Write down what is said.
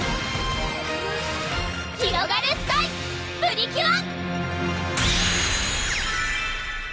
ひろがるスカイ！プリキュア！